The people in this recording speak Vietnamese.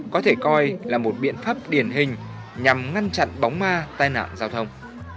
có thể coi là một biện pháp điển hình nhằm ngăn chặn bóng ma tai nạn giao thông